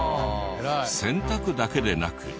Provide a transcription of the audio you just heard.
洗濯だけでなく。